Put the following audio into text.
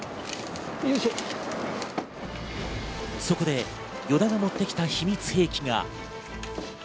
そこで依田が持って来た秘密兵器が。